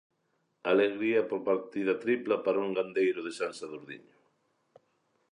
Alegría por partida tripla para un gandeiro de San Sadurniño.